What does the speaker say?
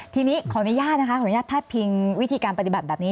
ทีนี้ขออนุญาตนะคะขออนุญาตพาดพิงวิธีการปฏิบัติแบบนี้